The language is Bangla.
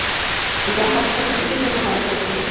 জাহাজ কোনদিকে নেবো, ক্যাপ্টেন?